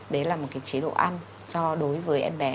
đấy là một chế độ ăn cho đối với em bé